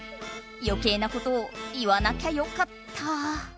余計なことを言わなきゃよかった。